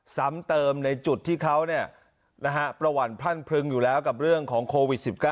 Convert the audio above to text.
สำเติมในจุดที่เขาเนี่ยนะฮะประวันพรั่นพึงอยู่แล้วกับเรื่องของโควิด๑๙